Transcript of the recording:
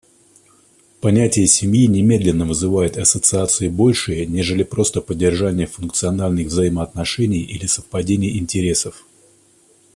Понятие «семьи» немедленно вызывает ассоциации большие, нежели просто поддержание функциональных взаимоотношений или совпадение интересов.